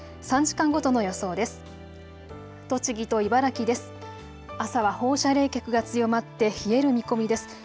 ３時間ごとの予想です。